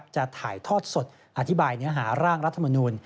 จะถ่ายทอดสดอธิบายเนื้อหาร่างรัฐมนูล